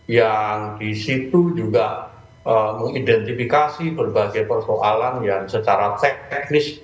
yang disitu juga mengidentifikasi berbagai persoalan yang secara teknis